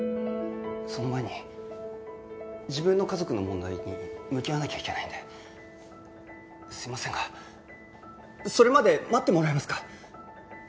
その前に自分の家族の問題に向き合わなきゃいけないんですいませんがそれまで待ってもらえますか？